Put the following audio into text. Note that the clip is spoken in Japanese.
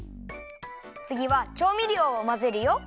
つぎはちょうみりょうをまぜるよ！